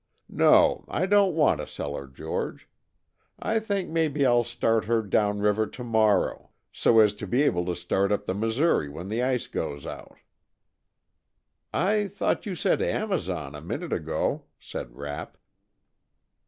No, I don't want to sell her, George. I think maybe I'll start her down river to morrow, so as to be able to start up the Missouri when the ice goes out " "I thought you said Amazon a minute ago," said Rapp.